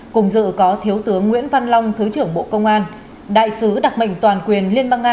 cùng dự có thiếu tướng nguyễn văn long thứ trưởng bộ công an đại sứ đặc mệnh toàn quyền liên bang nga